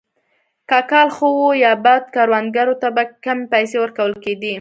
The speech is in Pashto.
که کال ښه وو یا بد کروندګرو ته به کمې پیسې ورکول کېدې.